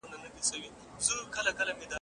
هغه په خپله وینا کي د پښتون همت وستایه.